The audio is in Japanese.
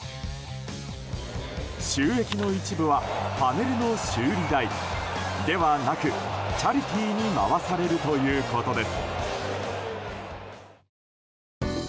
収益の一部はパネルの修理代ではなくチャリティーに回されるということです。